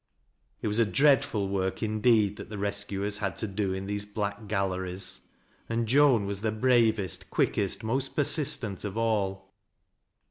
It was a dreadful work indeed that the rescuers had to do in those black galleries. And Joan was the bravest, quickest, most persistent of all.